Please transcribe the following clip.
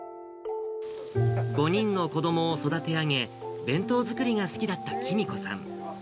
５人の子どもを育て上げ、弁当作りが好きだった喜美子さん。